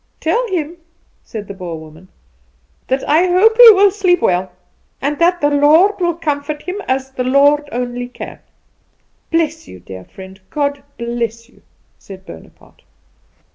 "Tell him," said the Boer woman, "that I hope he will sleep well, and that the Lord will comfort him, as the Lord only can." "Bless you, dear friend, God bless you," said Bonaparte.